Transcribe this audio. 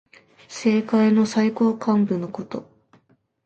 政界の最高幹部のこと。